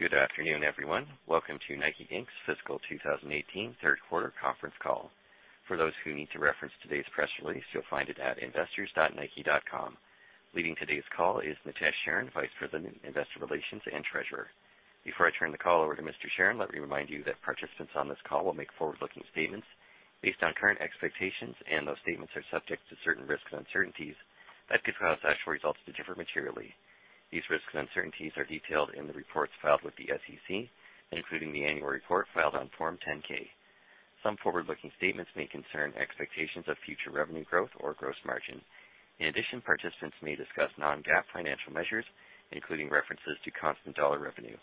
Good afternoon, everyone. Welcome to NIKE, Inc.'s fiscal 2018 third quarter conference call. For those who need to reference today's press release, you'll find it at investors.nike.com. Leading today's call is Nitesh Sharan, Vice President, Investor Relations and Treasurer. Before I turn the call over to Mr. Sharan, let me remind you that participants on this call will make forward-looking statements based on current expectations, and those statements are subject to certain risks and uncertainties that could cause actual results to differ materially. These risks and uncertainties are detailed in the reports filed with the SEC, including the annual report filed on Form 10-K. Some forward-looking statements may concern expectations of future revenue growth or gross margin. In addition, participants may discuss non-GAAP financial measures, including references to constant dollar revenue.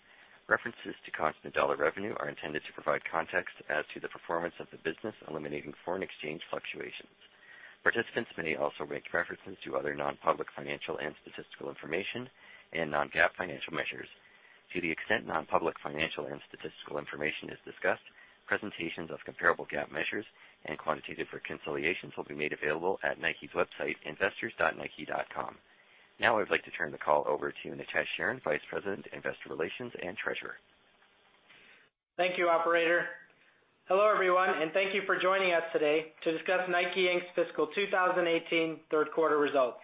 References to constant dollar revenue are intended to provide context as to the performance of the business, eliminating foreign exchange fluctuations. Participants may also make references to other non-public financial and statistical information and non-GAAP financial measures. To the extent non-public financial and statistical information is discussed, presentations of comparable GAAP measures and quantitative reconciliations will be made available at Nike's website, investors.nike.com. Now I'd like to turn the call over to Nitesh Sharan, Vice President, Investor Relations and Treasurer. Thank you, operator. Hello, everyone, and thank you for joining us today to discuss NIKE, Inc.'s fiscal 2018 third quarter results.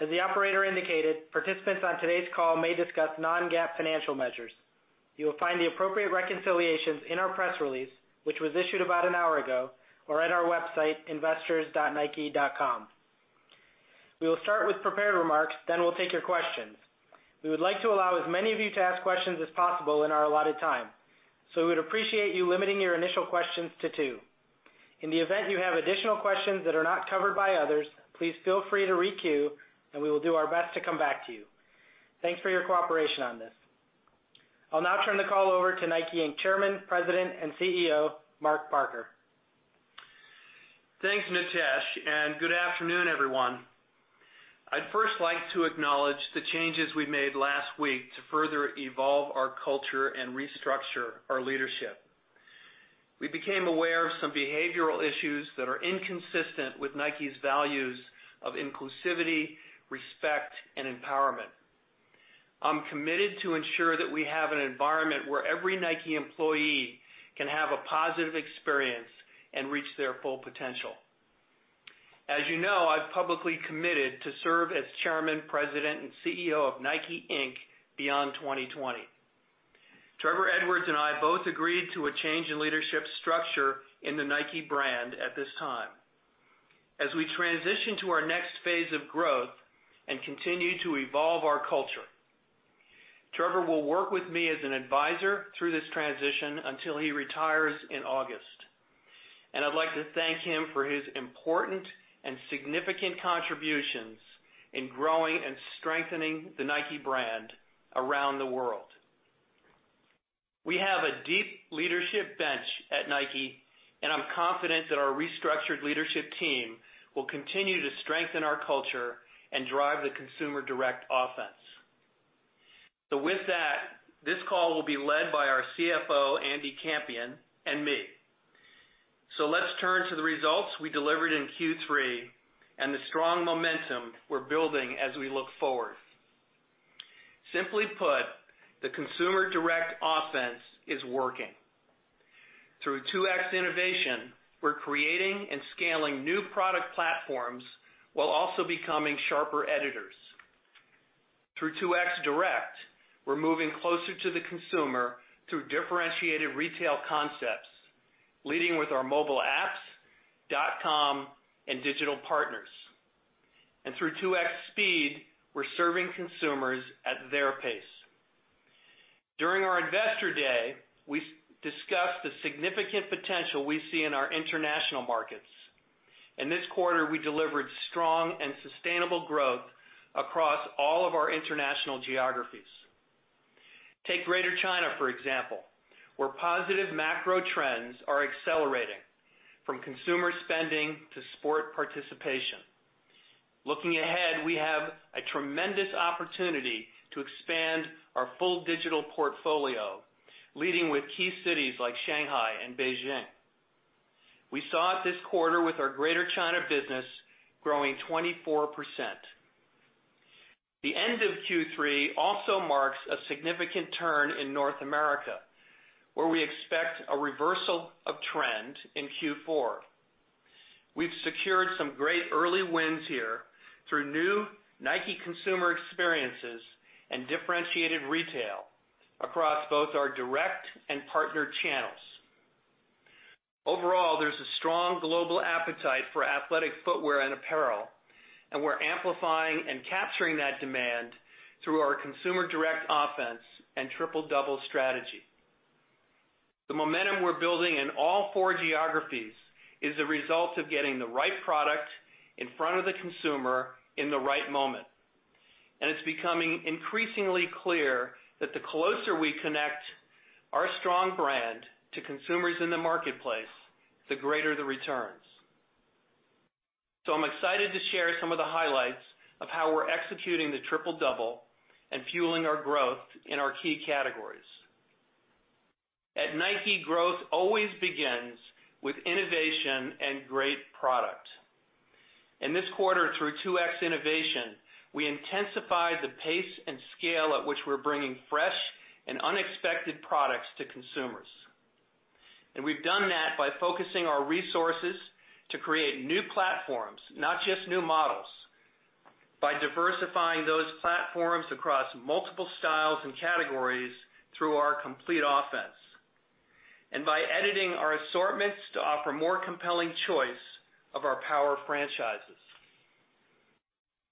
As the operator indicated, participants on today's call may discuss non-GAAP financial measures. You will find the appropriate reconciliations in our press release, which was issued about an hour ago, or at our website, investors.nike.com. We will start with prepared remarks, then we'll take your questions. We would like to allow as many of you to ask questions as possible in our allotted time. We would appreciate you limiting your initial questions to two. In the event you have additional questions that are not covered by others, please feel free to re-queue and we will do our best to come back to you. Thanks for your cooperation on this. I'll now turn the call over to NIKE, Inc. Chairman, President, and CEO, Mark Parker. Thanks, Nitesh. Good afternoon, everyone. I'd first like to acknowledge the changes we made last week to further evolve our culture and restructure our leadership. We became aware of some behavioral issues that are inconsistent with Nike's values of inclusivity, respect, and empowerment. I'm committed to ensure that we have an environment where every Nike employee can have a positive experience and reach their full potential. As you know, I've publicly committed to serve as Chairman, President, and CEO of NIKE, Inc. beyond 2020. Trevor Edwards and I both agreed to a change in leadership structure in the Nike brand at this time. As we transition to our next phase of growth and continue to evolve our culture, Trevor will work with me as an advisor through this transition until he retires in August. I'd like to thank him for his important and significant contributions in growing and strengthening the Nike Brand around the world. We have a deep leadership bench at Nike, and I'm confident that our restructured leadership team will continue to strengthen our culture and drive the Consumer Direct Offense. With that, this call will be led by our CFO, Andy Campion, and me. Let's turn to the results we delivered in Q3 and the strong momentum we're building as we look forward. Simply put, the Consumer Direct Offense is working. Through 2X Innovation, we're creating and scaling new product platforms while also becoming sharper editors. Through 2X Direct, we're moving closer to the consumer through differentiated retail concepts, leading with our mobile apps, nike.com, and digital partners. Through 2X Speed, we're serving consumers at their pace. During our Investor Day, we discussed the significant potential we see in our international markets. In this quarter, we delivered strong and sustainable growth across all of our international geographies. Take Greater China, for example, where positive macro trends are accelerating, from consumer spending to sport participation. Looking ahead, we have a tremendous opportunity to expand our full digital portfolio, leading with key cities like Shanghai and Beijing. We saw it this quarter with our Greater China business growing 24%. The end of Q3 also marks a significant turn in North America, where we expect a reversal of trend in Q4. We've secured some great early wins here through new Nike consumer experiences and differentiated retail across both our direct and partner channels. Overall, there's a strong global appetite for athletic footwear and apparel, and we're amplifying and capturing that demand through our Consumer Direct Offense and Triple Double strategy. The momentum we're building in all four geographies is the result of getting the right product in front of the consumer in the right moment. It's becoming increasingly clear that the closer we connect our strong brand to consumers in the marketplace, the greater the returns. I'm excited to share some of the highlights of how we're executing the Triple Double and fueling our growth in our key categories. At Nike, growth always begins with innovation and great product. In this quarter, through 2X Innovation, we intensified the pace and scale at which we're bringing fresh and unexpected products to consumers. We've done that by focusing our resources to create new platforms, not just new models. By diversifying those platforms across multiple styles and categories through our complete offense, and by editing our assortments to offer more compelling choice of our power franchises.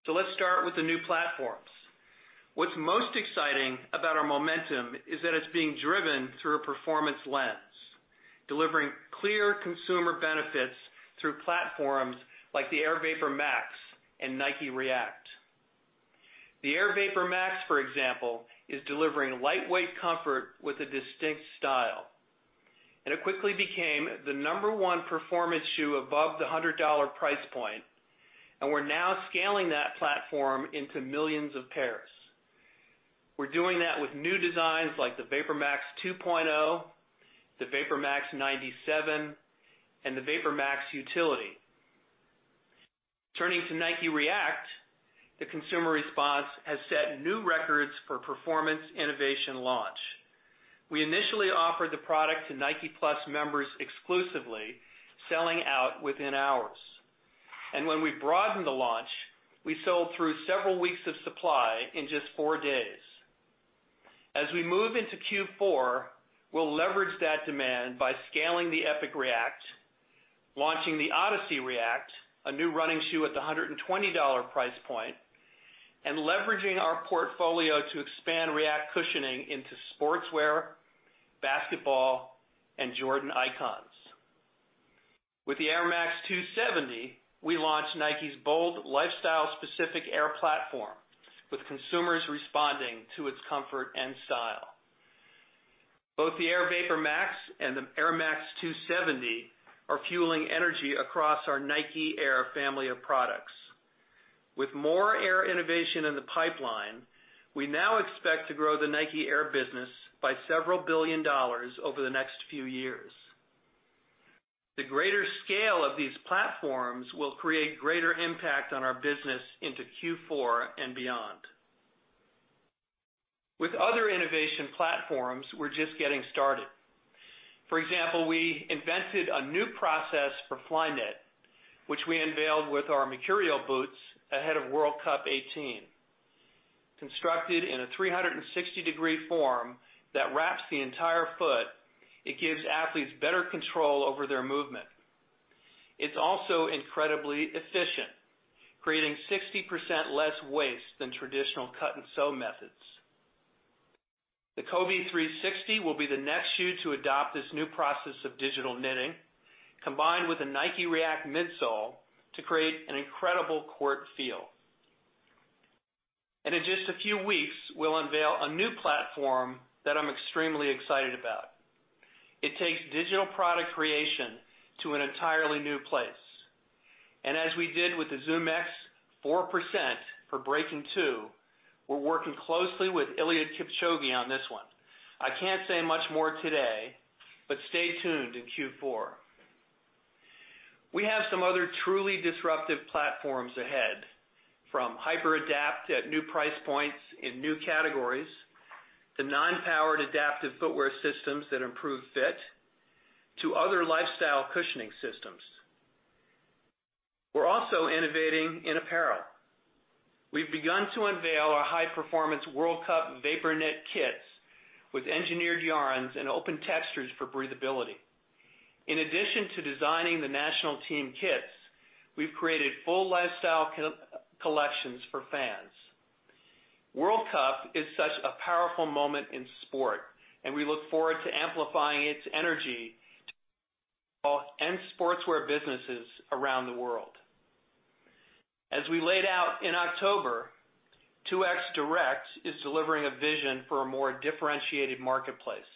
Let's start with the new platforms. What's most exciting about our momentum is that it's being driven through a performance lens, delivering clear consumer benefits through platforms like the Air VaporMax and Nike React. The Air VaporMax, for example, is delivering lightweight comfort with a distinct style, and it quickly became the number 1 performance shoe above the $100 price point, and we're now scaling that platform into millions of pairs. We're doing that with new designs like the VaporMax 2.0, the VaporMax 97, and the VaporMax Utility. Turning to Nike React, the consumer response has set new records for performance innovation launch. We initially offered the product to Nike+ members exclusively, selling out within hours. When we broadened the launch, we sold through several weeks of supply in just four days. As we move into Q4, we'll leverage that demand by scaling the Epic React, launching the Odyssey React, a new running shoe at the $120 price point, and leveraging our portfolio to expand React cushioning into sportswear, basketball and Jordan icons. With the Air Max 270, we launched Nike's bold, lifestyle-specific Air platform, with consumers responding to its comfort and style. Both the Air VaporMax and the Air Max 270 are fueling energy across our Nike Air family of products. With more Air innovation in the pipeline, we now expect to grow the Nike Air business by several billion dollars over the next few years. The greater scale of these platforms will create greater impact on our business into Q4 and beyond. With other innovation platforms, we're just getting started. For example, we invented a new process for Flyknit, which we unveiled with our Mercurial boots ahead of World Cup 2018. Constructed in a 360-degree form that wraps the entire foot, it gives athletes better control over their movement. It's also incredibly efficient, creating 60% less waste than traditional cut-and-sew methods. The Kobe 360 will be the next shoe to adopt this new process of digital knitting, combined with a Nike React midsole to create an incredible court feel. In just a few weeks, we'll unveil a new platform that I'm extremely excited about. It takes digital product creation to an entirely new place. As we did with the ZoomX 4% for Breaking2, we're working closely with Eliud Kipchoge on this one. I can't say much more today, but stay tuned in Q4. We have some other truly disruptive platforms ahead, from HyperAdapt at new price points in new categories to non-powered adaptive footwear systems that improve fit to other lifestyle cushioning systems. We're also innovating in apparel. We've begun to unveil our high-performance World Cup VaporKnit kits with engineered yarns and open textures for breathability. In addition to designing the national team kits, we've created full lifestyle collections for fans. World Cup is such a powerful moment in sport, and we look forward to amplifying its energy and sportswear businesses around the world. As we laid out in October, 2X Direct is delivering a vision for a more differentiated marketplace,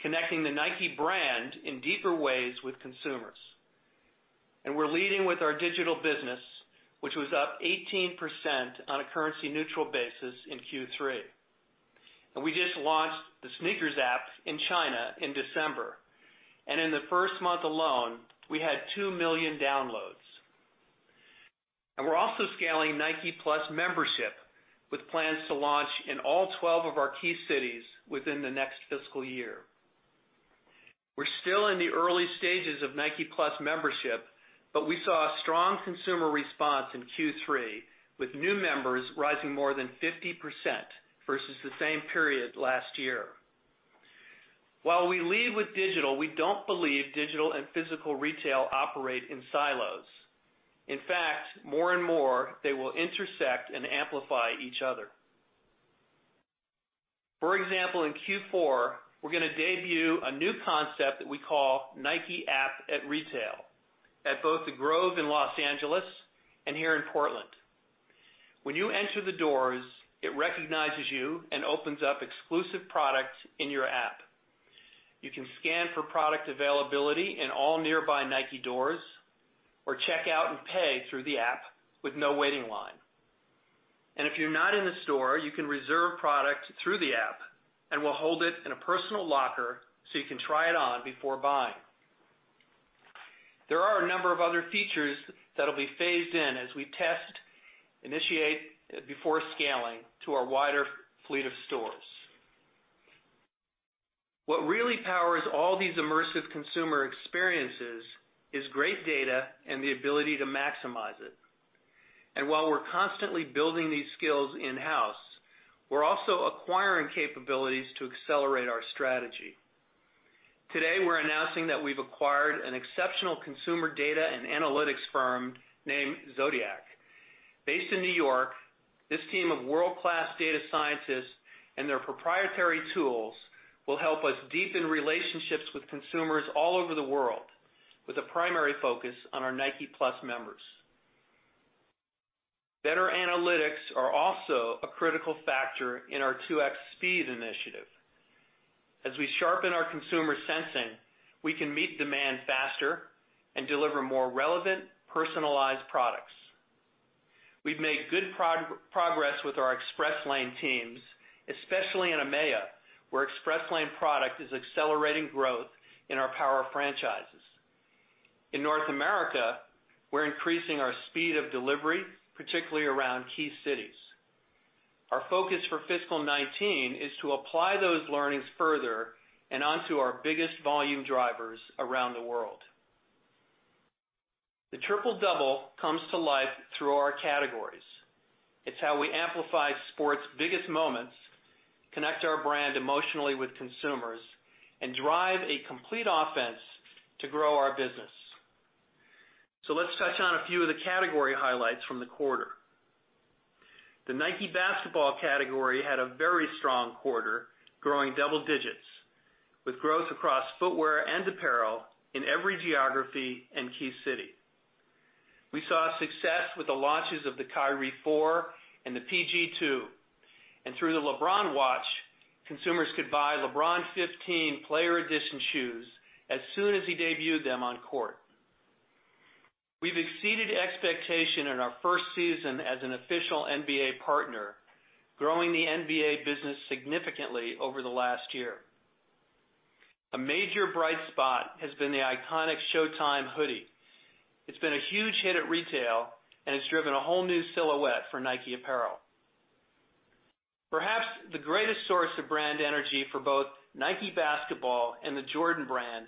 connecting the Nike brand in deeper ways with consumers. We're leading with our digital business, which was up 18% on a currency neutral basis in Q3. We just launched the SNKRS app in China in December, and in the first month alone, we had 2 million downloads. We're also scaling Nike+ membership with plans to launch in all 12 of our key cities within the next fiscal year. We're still in the early stages of Nike+ membership, but we saw a strong consumer response in Q3, with new members rising more than 50% versus the same period last year. While we lead with digital, we don't believe digital and physical retail operate in silos. In fact, more and more, they will intersect and amplify each other. For example, in Q4, we're going to debut a new concept that we call Nike App at Retail at both The Grove in L.A. and here in Portland. When you enter the doors, it recognizes you and opens up exclusive products in your app. You can scan for product availability in all nearby Nike doors or check out and pay through the app with no waiting line. If you're not in the store, you can reserve product through the app, and we'll hold it in a personal locker so you can try it on before buying. There are a number of other features that'll be phased in as we test, initiate before scaling to our wider fleet of stores. What really powers all these immersive consumer experiences is great data and the ability to maximize it. While we're constantly building these skills in-house, we're also acquiring capabilities to accelerate our strategy. Today, we're announcing that we've acquired an exceptional consumer data and analytics firm named Zodiac. Based in New York, this team of world-class data scientists and their proprietary tools will help us deepen relationships with consumers all over the world with a primary focus on our Nike+ members. Better analytics are also a critical factor in our 2X Speed initiative. As we sharpen our consumer sensing, we can meet demand faster and deliver more relevant, personalized products. We've made good progress with our Express Lane teams, especially in EMEA, where Express Lane product is accelerating growth in our power franchises. In North America, we're increasing our speed of delivery, particularly around key cities. Our focus for fiscal '19 is to apply those learnings further and onto our biggest volume drivers around the world. The Triple Double comes to life through our categories. It's how we amplify sport's biggest moments, connect our brand emotionally with consumers, and drive a complete offense to grow our business. Let's touch on a few of the category highlights from the quarter. The Nike Basketball category had a very strong quarter, growing double digits, with growth across footwear and apparel in every geography and key city. We saw success with the launches of the Kyrie 4 and the PG 2. Through the LeBron Watch, consumers could buy LeBron 15 Player Edition shoes as soon as he debuted them on court. We've exceeded expectation in our first season as an official NBA partner, growing the NBA business significantly over the last year. A major bright spot has been the iconic Showtime Hoodie. It's been a huge hit at retail and has driven a whole new silhouette for Nike apparel. Perhaps the greatest source of brand energy for both Nike Basketball and the Jordan Brand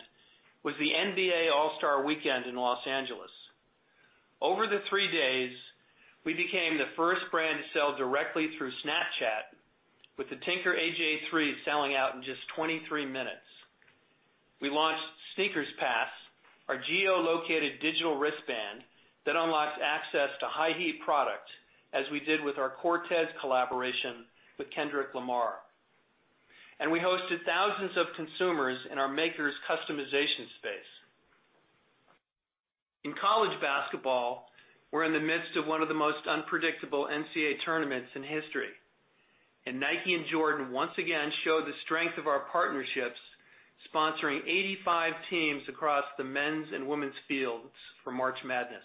was the NBA All-Star Weekend in Los Angeles. Over the three days, we became the first brand to sell directly through Snapchat with the Tinker AJ3 selling out in just 23 minutes. We launched SNKRS Pass, our geo-located digital wristband that unlocks access to high heat product, as we did with our Cortez collaboration with Kendrick Lamar. We hosted thousands of consumers in our makers customization space. In college basketball, we're in the midst of one of the most unpredictable NCAA tournaments in history. Nike and Jordan, once again, show the strength of our partnerships, sponsoring 85 teams across the men's and women's fields for March Madness.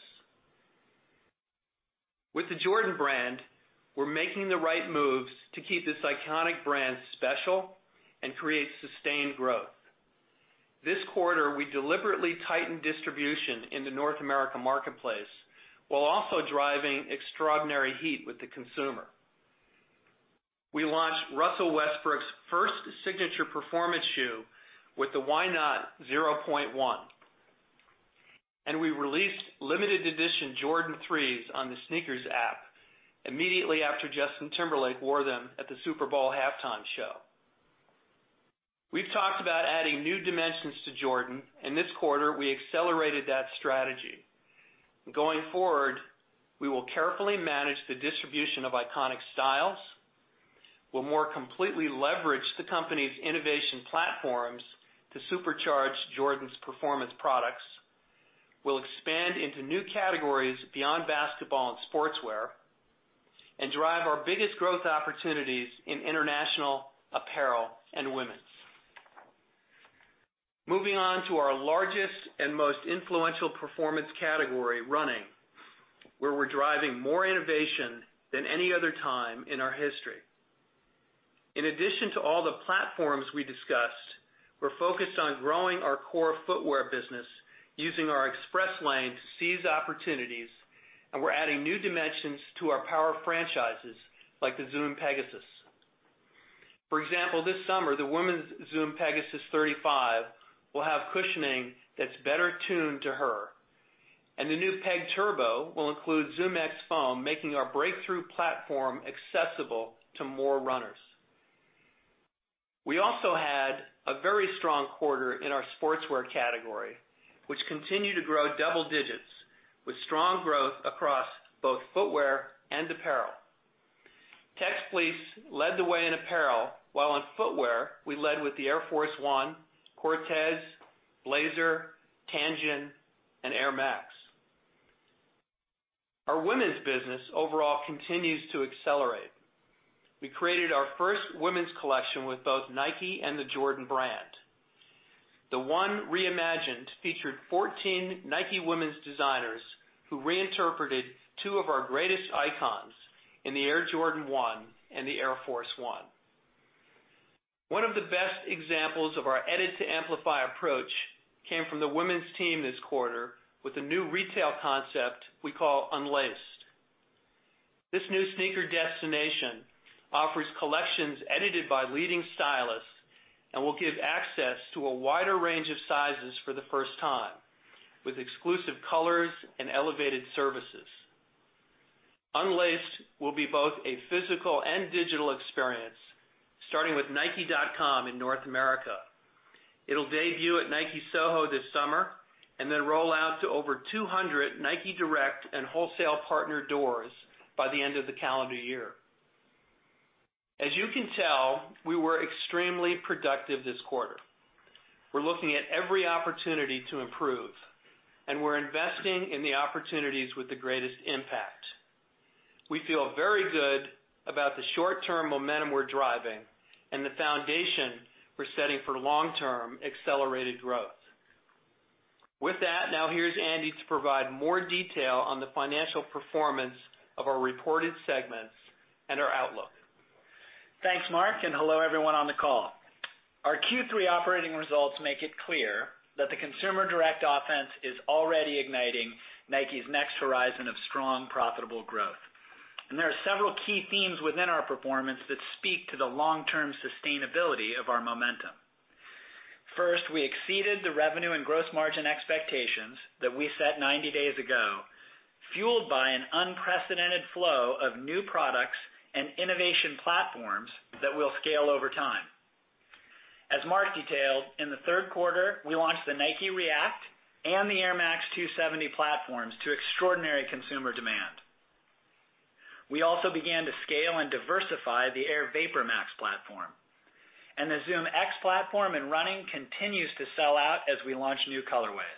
With the Jordan Brand, we're making the right moves to keep this iconic brand special and create sustained growth. This quarter, we deliberately tightened distribution in the North America marketplace while also driving extraordinary heat with the consumer. We launched Russell Westbrook's first signature performance shoe with the Jordan Why Not Zer0.1. We released limited edition Jordan 3s on the SNKRS app immediately after Justin Timberlake wore them at the Super Bowl halftime show. We've talked about adding new dimensions to Jordan. This quarter, we accelerated that strategy. Going forward, we will carefully manage the distribution of iconic styles. We'll more completely leverage the company's innovation platforms to supercharge Jordan's performance products. We'll expand into new categories beyond basketball and sportswear and drive our biggest growth opportunities in international apparel and women's. Moving on to our largest and most influential performance category, running, where we're driving more innovation than any other time in our history. In addition to all the platforms we discussed, we're focused on growing our core footwear business, using our Express Lane to seize opportunities, and we're adding new dimensions to our power franchises, like the Zoom Pegasus. For example, this summer, the women's Zoom Pegasus 35 will have cushioning that's better tuned to her. The new Peg Turbo will include ZoomX foam, making our breakthrough platform accessible to more runners. We also had a very strong quarter in our sportswear category, which continued to grow double digits with strong growth across both footwear and apparel. Tech Fleece led the way in apparel, while in footwear, we led with the Air Force 1, Cortez, Blazer, Tanjun, and Air Max. Our women's business overall continues to accelerate. We created our first women's collection with both Nike and the Jordan Brand. The 1 Reimagined featured 14 Nike women's designers who reinterpreted two of our greatest icons in the Air Jordan 1 and the Air Force 1. One of the best examples of our edit to amplify approach came from the women's team this quarter with a new retail concept we call Unlaced. This new sneaker destination offers collections edited by leading stylists and will give access to a wider range of sizes for the first time, with exclusive colors and elevated services. Unlaced will be both a physical and digital experience, starting with nike.com in North America. It'll debut at Nike Soho this summer then roll out to over 200 Nike Direct and wholesale partner doors by the end of the calendar year. As you can tell, we were extremely productive this quarter. We're looking at every opportunity to improve, we're investing in the opportunities with the greatest impact. We feel very good about the short-term momentum we're driving and the foundation we're setting for long-term accelerated growth. With that, now here's Andy to provide more detail on the financial performance of our reported segments and our outlook. Thanks, Mark, and hello, everyone on the call. Our Q3 operating results make it clear that the Consumer Direct Offense is already igniting Nike's next horizon of strong, profitable growth. There are several key themes within our performance that speak to the long-term sustainability of our momentum. First, we exceeded the revenue and gross margin expectations that we set 90 days ago, fueled by an unprecedented flow of new products and innovation platforms that will scale over time. As Mark detailed, in the third quarter, we launched the Nike React and the Air Max 270 platforms to extraordinary consumer demand. We also began to scale and diversify the Air VaporMax platform. The ZoomX platform in running continues to sell out as we launch new colorways.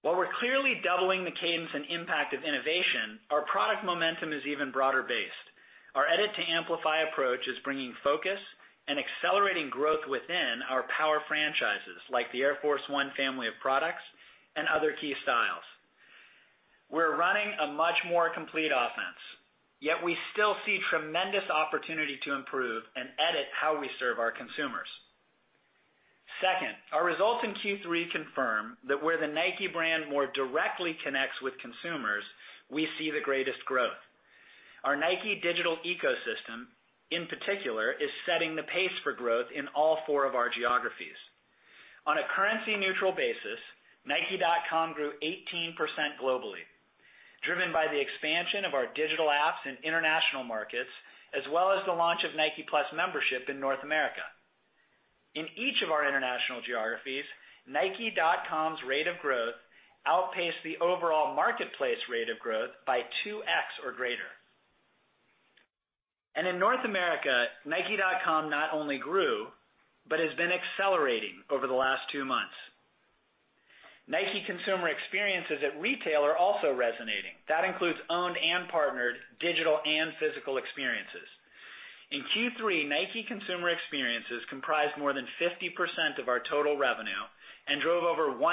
While we're clearly doubling the cadence and impact of innovation, our product momentum is even broader based. Our edit to amplify approach is bringing focus and accelerating growth within our power franchises, like the Air Force 1 family of products and other key styles. We're running a much more complete offense, yet we still see tremendous opportunity to improve and edit how we serve our consumers. Second, our results in Q3 confirm that where the Nike brand more directly connects with consumers, we see the greatest growth. Our Nike digital ecosystem, in particular, is setting the pace for growth in all four of our geographies. On a currency-neutral basis, nike.com grew 18% globally, driven by the expansion of our digital apps in international markets, as well as the launch of Nike+ membership in North America. In each of our international geographies, nike.com's rate of growth outpaced the overall marketplace rate of growth by 2X or greater. In North America, nike.com not only grew, but has been accelerating over the last two months. Nike consumer experiences at retail are also resonating. That includes owned and partnered digital and physical experiences. In Q3, Nike consumer experiences comprised more than 50% of our total revenue and drove over 100%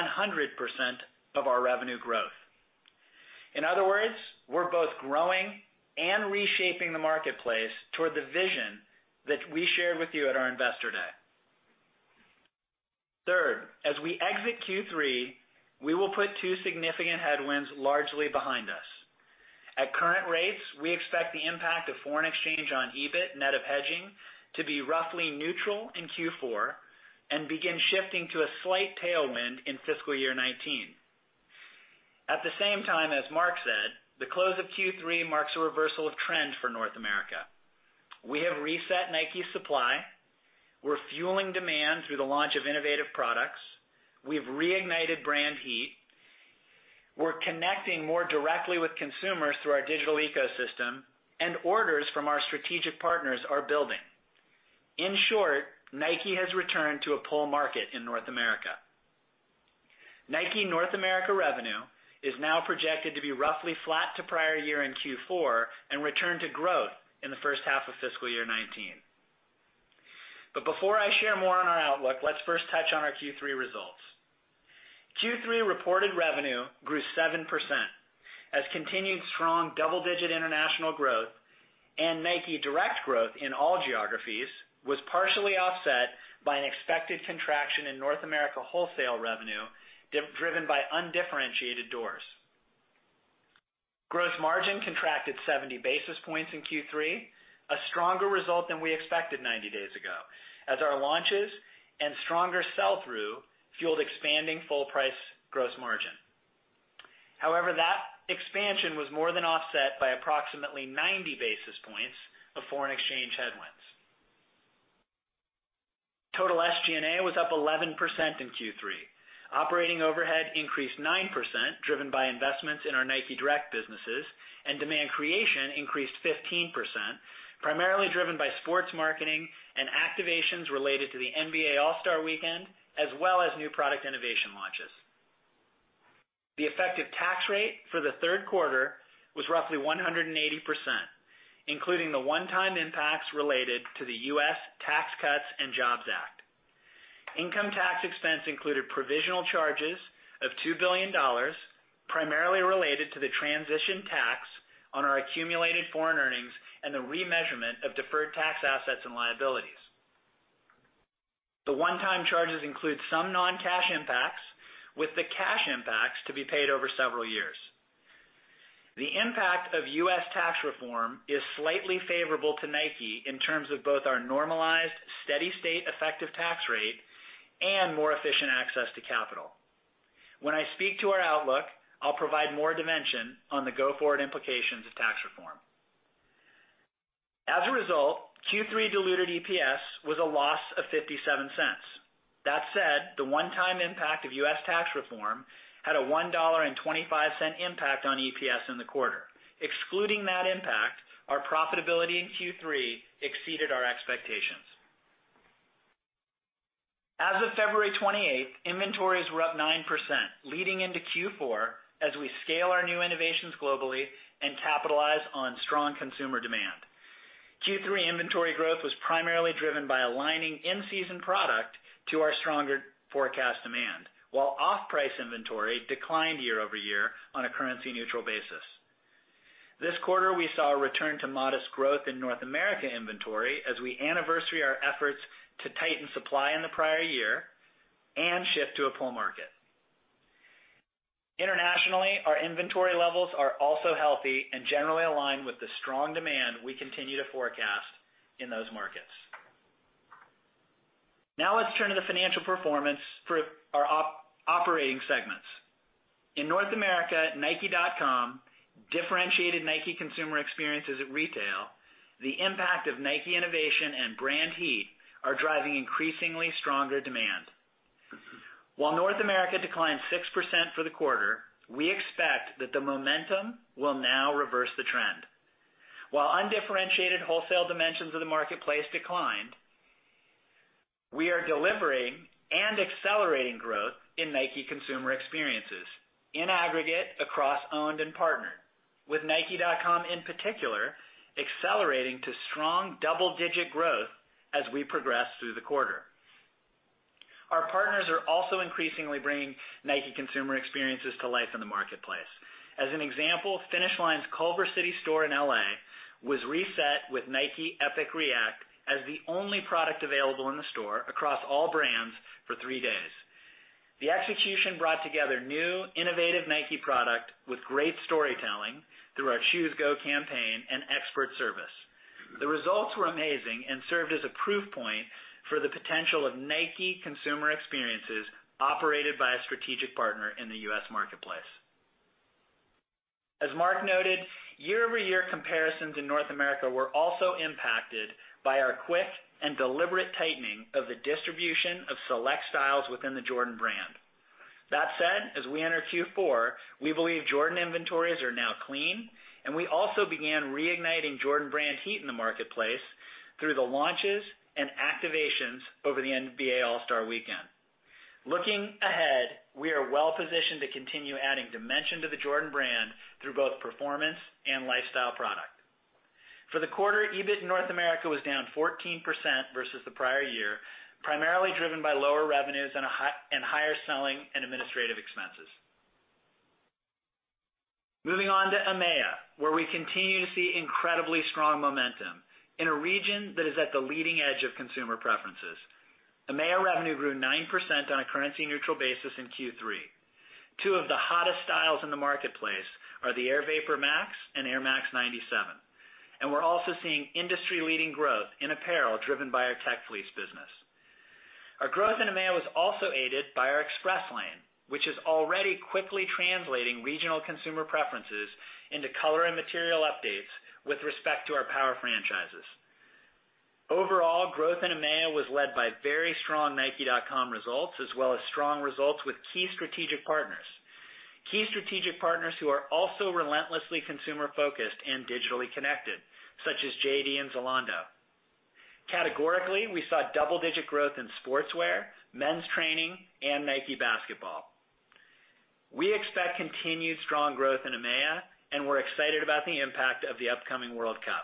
of our revenue growth. In other words, we're both growing and reshaping the marketplace toward the vision that we shared with you at our investor day. Third, as we exit Q3, we will put two significant headwinds largely behind us. At current rates, we expect the impact of foreign exchange on EBIT net of hedging to be roughly neutral in Q4 and begin shifting to a slight tailwind in fiscal year 2019. At the same time, as Mark said, the close of Q3 marks a reversal of trend for North America. We have reset Nike supply. We're fueling demand through the launch of innovative products. We've reignited brand heat. We're connecting more directly with consumers through our digital ecosystem, and orders from our strategic partners are building. In short, Nike has returned to a pull market in North America. Nike North America revenue is now projected to be roughly flat to prior year in Q4 and return to growth in the first half of fiscal year 2019. Before I share more on our outlook, let's first touch on our Q3 results. Q3 reported revenue grew 7% as continued strong double-digit international growth and Nike Direct growth in all geographies was partially offset by an expected contraction in North America wholesale revenue driven by undifferentiated doors. Gross margin contracted 70 basis points in Q3, a stronger result than we expected 90 days ago, as our launches and stronger sell-through fueled expanding full price gross margin. However, that expansion was more than offset by approximately 90 basis points of foreign exchange headwinds. Total SG&A was up 11% in Q3. Operating overhead increased 9%, driven by investments in our Nike Direct businesses, and demand creation increased 15%, primarily driven by sports marketing and activations related to the NBA All-Star Weekend, as well as new product innovation launches. The effective tax rate for the third quarter was roughly 180%, including the one-time impacts related to the U.S. Tax Cuts and Jobs Act. Income tax expense included provisional charges of $2 billion, primarily related to the transition tax on our accumulated foreign earnings and the remeasurement of deferred tax assets and liabilities. The one-time charges include some non-cash impacts, with the cash impacts to be paid over several years. The impact of U.S. tax reform is slightly favorable to Nike in terms of both our normalized steady-state effective tax rate and more efficient access to capital. When I speak to our outlook, I'll provide more dimension on the go-forward implications of tax reform. As a result, Q3 diluted EPS was a loss of $0.57. That said, the one-time impact of U.S. tax reform had a $1.25 impact on EPS in the quarter. Excluding that impact, our profitability in Q3 exceeded our expectations. As of February 28th, inventories were up 9%, leading into Q4 as we scale our new innovations globally and capitalize on strong consumer demand. Q3 inventory growth was primarily driven by aligning in-season product to our stronger forecast demand, while off-price inventory declined year-over-year on a currency-neutral basis. This quarter, we saw a return to modest growth in North America inventory as we anniversary our efforts to tighten supply in the prior year and shift to a pull market. Internationally, our inventory levels are also healthy and generally align with the strong demand we continue to forecast in those markets. Now let's turn to the financial performance for our operating segments. In North America, nike.com, differentiated Nike consumer experiences at retail, the impact of Nike innovation and brand heat are driving increasingly stronger demand. While North America declined 6% for the quarter, we expect that the momentum will now reverse the trend. While undifferentiated wholesale dimensions of the marketplace declined, we are delivering and accelerating growth in Nike consumer experiences in aggregate across owned and partnered, with nike.com in particular accelerating to strong double-digit growth as we progress through the quarter. Our partners are also increasingly bringing Nike consumer experiences to life in the marketplace. As an example, Finish Line's Culver City store in L.A. was reset with Nike Epic React as the only product available in the store across all brands for three days. The execution brought together new, innovative Nike product with great storytelling through our Choose Go campaign and expert service. The results were amazing and served as a proof point for the potential of Nike consumer experiences operated by a strategic partner in the U.S. marketplace. As Mark noted, year-over-year comparisons in North America were also impacted by our quick and deliberate tightening of the distribution of select styles within the Jordan Brand. That said, as we enter Q4, we believe Jordan inventories are now clean and we also began reigniting Jordan Brand heat in the marketplace through the launches and activations over the NBA All-Star Weekend. Looking ahead, we are well positioned to continue adding dimension to the Jordan Brand through both performance and lifestyle product. For the quarter, EBIT North America was down 14% versus the prior year, primarily driven by lower revenues and higher selling and administrative expenses. Moving on to EMEA, where we continue to see incredibly strong momentum in a region that is at the leading edge of consumer preferences. EMEA revenue grew 9% on a currency-neutral basis in Q3. Two of the hottest styles in the marketplace are the Air VaporMax and Air Max 97. We're also seeing industry-leading growth in apparel driven by our Tech Fleece business. Our growth in EMEA was also aided by our Express Lane, which is already quickly translating regional consumer preferences into color and material updates with respect to our power franchises. Overall, growth in EMEA was led by very strong nike.com results, as well as strong results with key strategic partners. Key strategic partners who are also relentlessly consumer-focused and digitally connected, such as JD and Zalando. Categorically, we saw double-digit growth in sportswear, men's training, and Nike Basketball. We expect continued strong growth in EMEA. We're excited about the impact of the upcoming World Cup.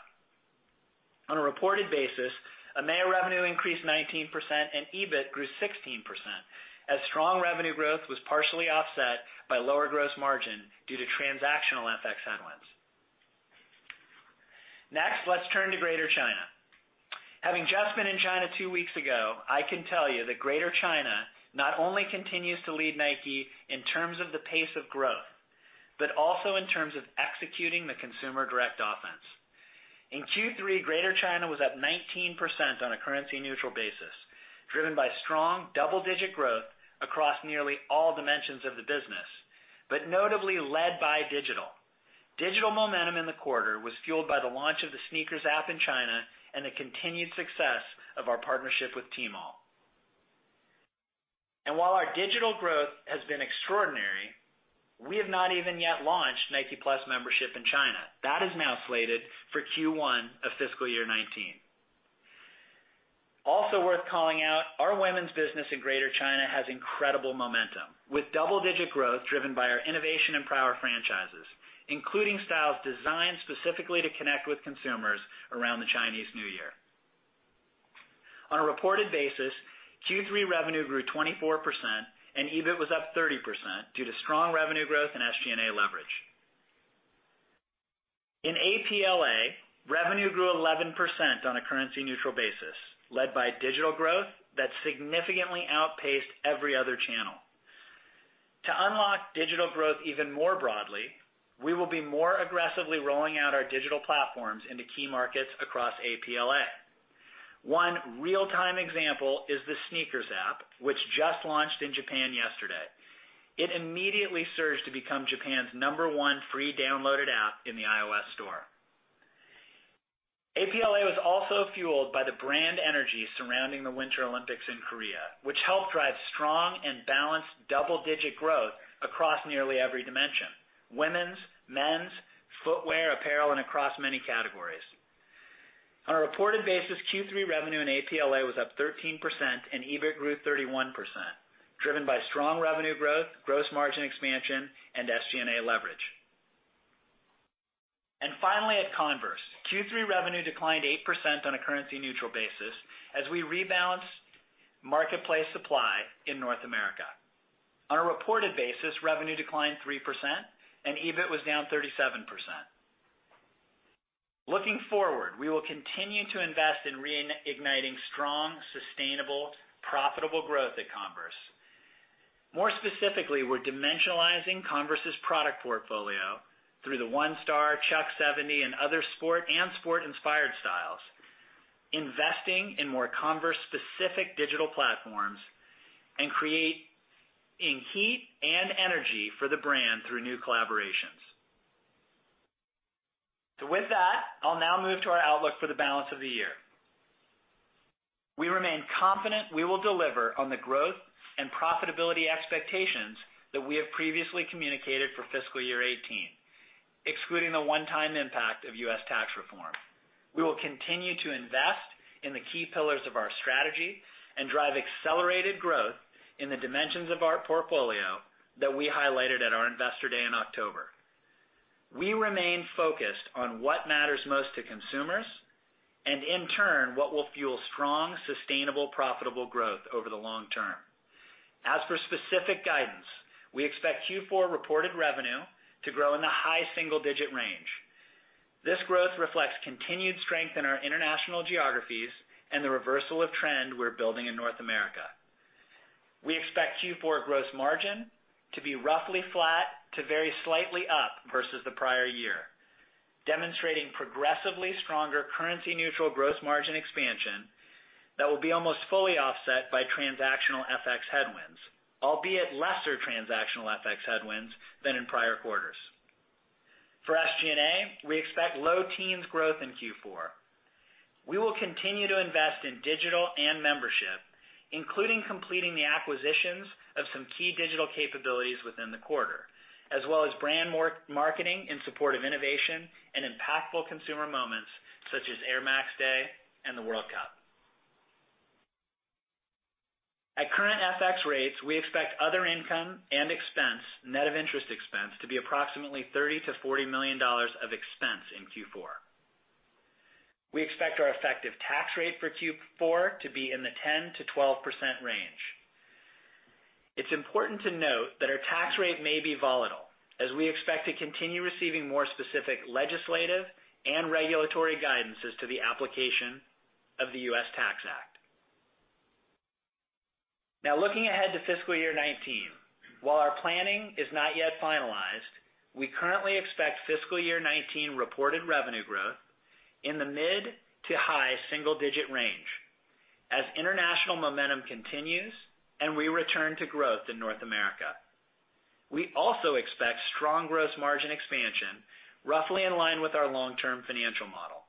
On a reported basis, EMEA revenue increased 19% and EBIT grew 16%, as strong revenue growth was partially offset by lower gross margin due to transactional FX headwinds. Let's turn to Greater China. Having just been in China two weeks ago, I can tell you that Greater China not only continues to lead Nike in terms of the pace of growth, but also in terms of executing the Consumer Direct Offense. In Q3, Greater China was up 19% on a currency-neutral basis, driven by strong double-digit growth across nearly all dimensions of the business, but notably led by digital. Digital momentum in the quarter was fueled by the launch of the SNKRS app in China and the continued success of our partnership with Tmall. While our digital growth has been extraordinary, we have not even yet launched Nike+ membership in China. That is now slated for Q1 of fiscal year 2019. Worth calling out, our women's business in Greater China has incredible momentum, with double-digit growth driven by our innovation and Power franchises, including styles designed specifically to connect with consumers around the Chinese New Year. On a reported basis, Q3 revenue grew 24% and EBIT was up 30% due to strong revenue growth and SG&A leverage. In APLA, revenue grew 11% on a currency-neutral basis, led by digital growth that significantly outpaced every other channel. To unlock digital growth even more broadly, we will be more aggressively rolling out our digital platforms into key markets across APLA. One real-time example is the SNKRS app, which just launched in Japan yesterday. It immediately surged to become Japan's number one free downloaded app in the iOS store. APLA was also fueled by the brand energy surrounding the Winter Olympics in Korea, which helped drive strong and balanced double-digit growth across nearly every dimension: women's, men's, footwear, apparel, and across many categories. On a reported basis, Q3 revenue in APLA was up 13% and EBIT grew 31%, driven by strong revenue growth, gross margin expansion and SG&A leverage. Finally at Converse, Q3 revenue declined 8% on a currency-neutral basis as we rebalanced marketplace supply in North America. On a reported basis, revenue declined 3% and EBIT was down 37%. Looking forward, we will continue to invest in reigniting strong, sustainable, profitable growth at Converse. More specifically, we're dimensionalizing Converse's product portfolio through the One Star, Chuck 70, and other sport and sport-inspired styles, investing in more Converse specific digital platforms, and creating heat and energy for the brand through new collaborations. With that, I'll now move to our outlook for the balance of the year. We remain confident we will deliver on the growth and profitability expectations that we have previously communicated for fiscal year 2018, excluding the one-time impact of U.S. tax reform. We will continue to invest in the key pillars of our strategy and drive accelerated growth in the dimensions of our portfolio that we highlighted at our Investor Day in October. We remain focused on what matters most to consumers and, in turn, what will fuel strong, sustainable, profitable growth over the long term. As for specific guidance, we expect Q4 reported revenue to grow in the high single-digit range. This growth reflects continued strength in our international geographies and the reversal of trend we're building in North America. We expect Q4 gross margin to be roughly flat to very slightly up versus the prior year, demonstrating progressively stronger currency-neutral gross margin expansion that will be almost fully offset by transactional FX headwinds, albeit lesser transactional FX headwinds than in prior quarters. For SG&A, we expect low teens growth in Q4. We will continue to invest in digital and membership, including completing the acquisitions of some key digital capabilities within the quarter, as well as brand marketing in support of innovation and impactful consumer moments such as Air Max Day and the World Cup. At current FX rates, we expect other income and expense, net of interest expense, to be approximately $30 million to $40 million of expense in Q4. We expect our effective tax rate for Q4 to be in the 10%-12% range. It's important to note that our tax rate may be volatile as we expect to continue receiving more specific legislative and regulatory guidances to the application of the U.S. Tax Act. Looking ahead to fiscal year 2019, while our planning is not yet finalized, we currently expect fiscal year 2019 reported revenue growth in the mid to high single-digit range as international momentum continues and we return to growth in North America. We also expect strong gross margin expansion, roughly in line with our long-term financial model.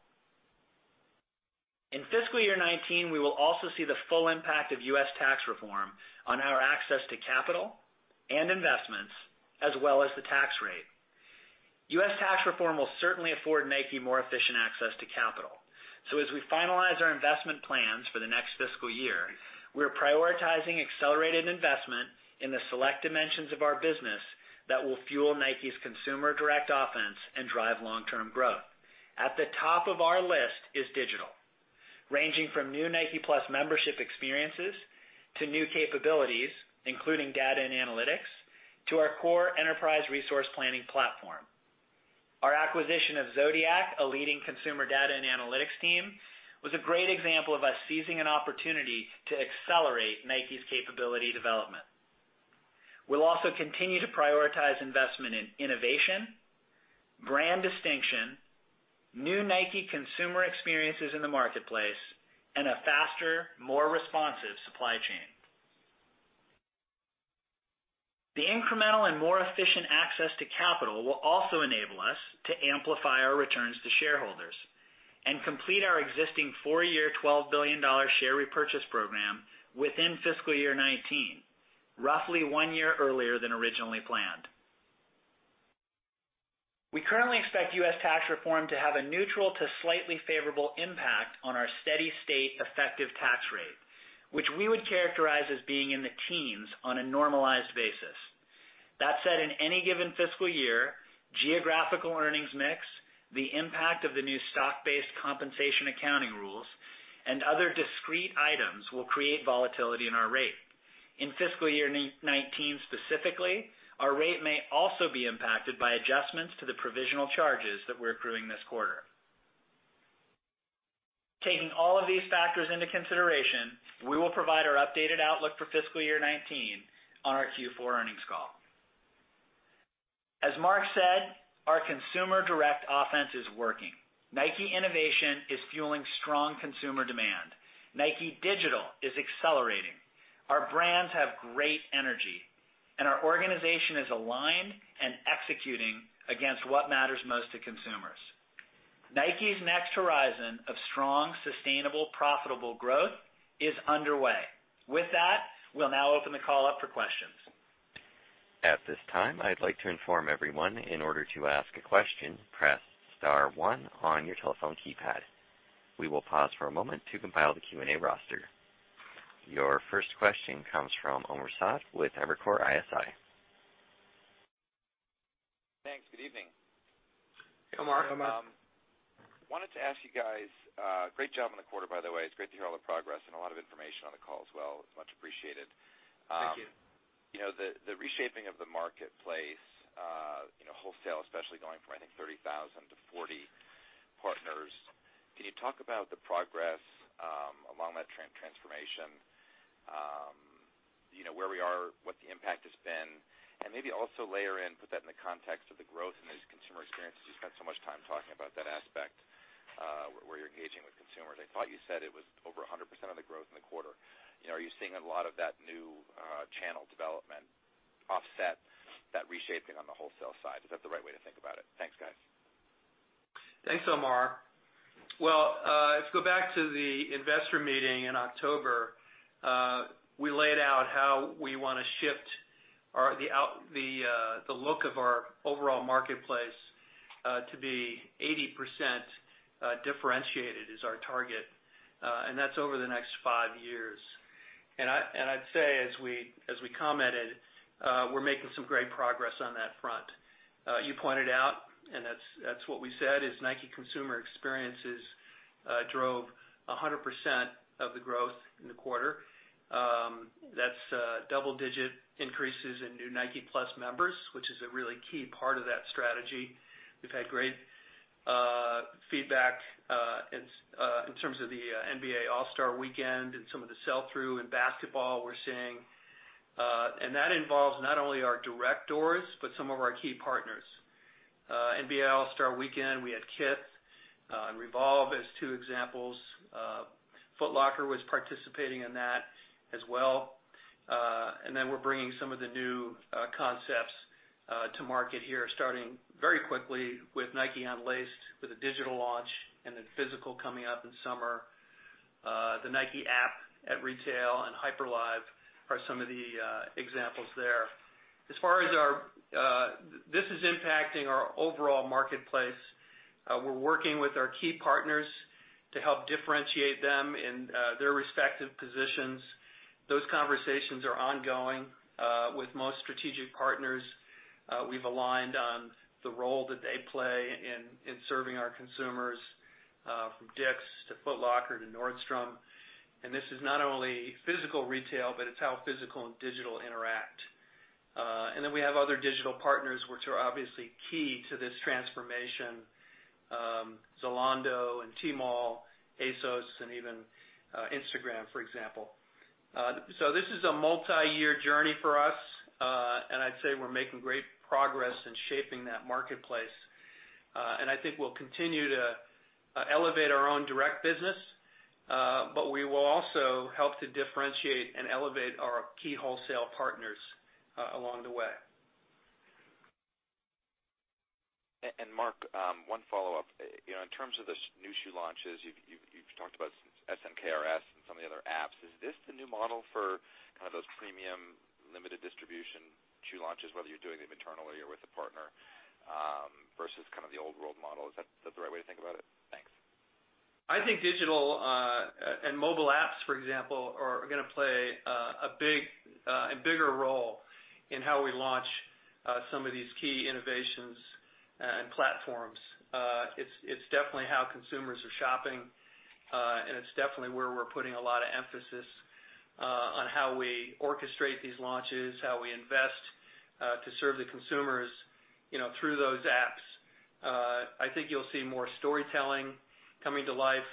In fiscal year 2019, we will also see the full impact of U.S. tax reform on our access to capital and investments, as well as the tax rate. U.S. tax reform will certainly afford NIKE more efficient access to capital. As we finalize our investment plans for the next fiscal year, we're prioritizing accelerated investment in the select dimensions of our business that will fuel NIKE's Consumer Direct Offense and drive long-term growth. At the top of our list is digital, ranging from new NIKE+ membership experiences to new capabilities, including data and analytics, to our core enterprise resource planning platform. Our acquisition of Zodiac, a leading consumer data and analytics team, was a great example of us seizing an opportunity to accelerate Nike's capability development. We'll also continue to prioritize investment in innovation, brand distinction, new Nike consumer experiences in the marketplace, and a faster, more responsive supply chain. The incremental and more efficient access to capital will also enable us to amplify our returns to shareholders and complete our existing four-year $12 billion share repurchase program within fiscal year 2019, roughly one year earlier than originally planned. We currently expect U.S. tax reform to have a neutral to slightly favorable impact on our steady state effective tax rate, which we would characterize as being in the teens on a normalized basis. That said, in any given fiscal year, geographical earnings mix, the impact of the new stock-based compensation accounting rules, and other discrete items will create volatility in our rate. In fiscal year 2019 specifically, our rate may also be impacted by adjustments to the provisional charges that we're accruing this quarter. Taking all of these factors in consideration, we will provide our updated outlook for fiscal year 2019 on our Q4 earnings call. As Mark said, our Consumer Direct Offense is working. Nike innovation is fueling strong consumer demand. Nike digital is accelerating. Our brands have great energy. Our organization is aligned and executing against what matters most to consumers. Nike's next horizon of strong, sustainable, profitable growth is underway. With that, we'll now open the call up for questions. At this time, I'd like to inform everyone, in order to ask a question, press star one on your telephone keypad. We will pause for a moment to compile the Q&A roster. Your first question comes from Omar Saad with Evercore ISI. Thanks. Good evening. Hey, Omar. Wanted to ask you guys, great job on the quarter, by the way. It's great to hear all the progress and a lot of information on the call as well. It's much appreciated. Thank you. The reshaping of the marketplace, wholesale especially, going from I think 30,000 to 40 partners. Can you talk about the progress along that transformation? Where we are, what the impact has been, and maybe also layer in, put that in the context of the growth in these consumer experiences. You spent so much time talking about that aspect, where you're engaging with consumers. I thought you said it was over 100% of the growth in the quarter. Are you seeing a lot of that new channel development offset that reshaping on the wholesale side? Is that the right way to think about it? Thanks, guys. Thanks, Omar. If you go back to the investor meeting in October, we laid out how we want to shift the look of our overall marketplace to be 80% differentiated, is our target. That's over the next five years. I'd say, as we commented, we're making some great progress on that front. You pointed out, that's what we said, is Nike consumer experiences drove 100% of the growth in the quarter. That's double-digit increases in new Nike+ members, which is a really key part of that strategy. We've had great feedback in terms of the NBA All-Star Weekend and some of the sell-through in basketball we're seeing. That involves not only our direct doors, but some of our key partners. NBA All-Star Weekend, we had Kith and REVOLVE as two examples. Foot Locker was participating in that as well. We're bringing some of the new concepts to market here, starting very quickly with Nike Unlaced, with a digital launch and physical coming up in summer. The Nike App at Retail and Hyperlive are some of the examples there. This is impacting our overall marketplace. We're working with our key partners to help differentiate them in their respective positions. Those conversations are ongoing. With most strategic partners, we've aligned on the role that they play in serving our consumers, from DICK'S to Foot Locker to Nordstrom. This is not only physical retail, but it's how physical and digital interact. We have other digital partners which are obviously key to this transformation. Zalando and Tmall, ASOS and even Instagram, for example. This is a multi-year journey for us. I'd say we're making great progress in shaping that marketplace. I think we'll continue to elevate our own direct business. We will also help to differentiate and elevate our key wholesale partners along the way. Mark, one follow-up. In terms of the new shoe launches, you've talked about SNKRS and some of the other apps. Is this the new model for kind of those premium limited distribution shoe launches, whether you're doing them internally or with a partner, versus kind of the old world model? Is that the right way to think about it? Thanks. I think digital and mobile apps, for example, are going to play a bigger role in how we launch some of these key innovations and platforms. It's definitely how consumers are shopping. It's definitely where we're putting a lot of emphasis on how we orchestrate these launches, how we invest to serve the consumers through those apps. I think you'll see more storytelling coming to life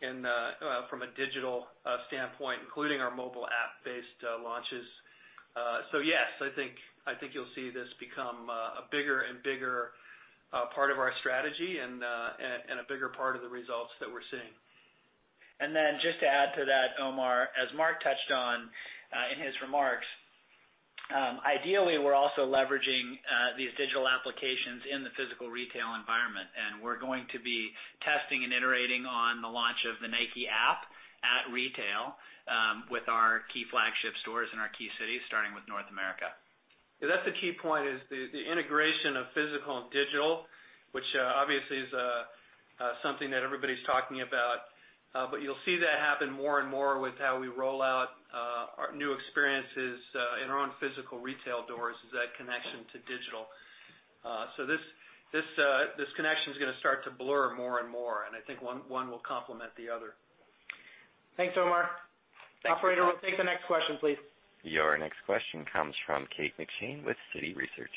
from a digital standpoint, including our mobile app-based launches. Yes, I think you'll see this become a bigger and bigger part of our strategy and a bigger part of the results that we're seeing. Just to add to that, Omar, as Mark touched on in his remarks, ideally, we're also leveraging these digital applications in the physical retail. We're going to be testing and iterating on the launch of the Nike App at Retail with our key flagship stores in our key cities, starting with North America. That's the key point, is the integration of physical and digital, which obviously is something that everybody's talking about. You'll see that happen more and more with how we roll out our new experiences in our own physical retail doors, is that connection to digital. This connection is going to start to blur more and more, and I think one will complement the other. Thanks, Omar. Thanks. Operator, we'll take the next question, please. Your next question comes from Kate McShane with Citi Research.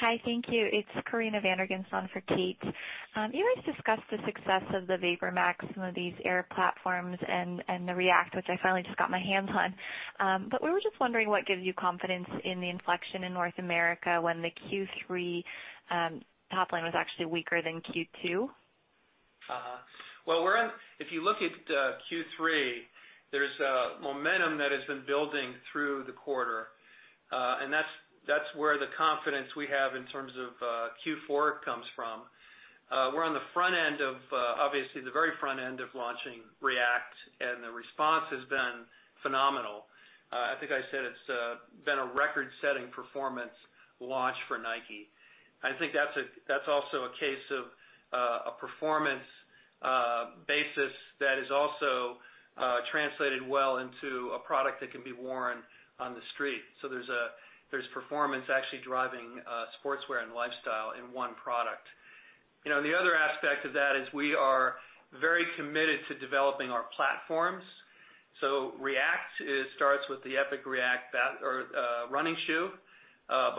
Hi, thank you. It's Karina Vandergonsson for Kate. You guys discussed the success of the VaporMax, some of these Air platforms, and the React, which I finally just got my hands on. We were just wondering what gives you confidence in the inflection in North America when the Q3 top line was actually weaker than Q2? If you look at Q3, there's a momentum that has been building through the quarter. That's where the confidence we have in terms of Q4 comes from. We're on the front end of, obviously, the very front end of launching React, and the response has been phenomenal. I think I said it's been a record-setting performance launch for Nike. I think that's also a case of a performance basis that has also translated well into a product that can be worn on the street. There's performance actually driving sportswear and lifestyle in one product. The other aspect of that is we are very committed to developing our platforms. React, it starts with the Epic React running shoe.